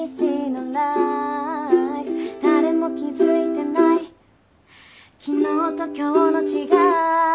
「誰も気付いていない昨日と今日の違い」